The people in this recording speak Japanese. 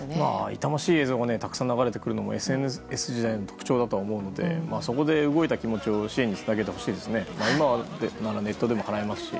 痛ましい映像がたくさん流れてくるのもＳＮＳ時代の特徴だと思うのでそこで、動いた気持ちを支援につなげてほしいですね。